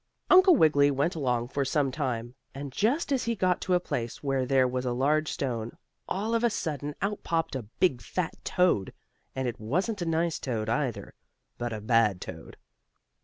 Uncle Wiggily went along for some time, and just as he got to a place where there was a large stone, all of a sudden out popped a big fat toad. And it wasn't a nice toad, either, but a bad toad.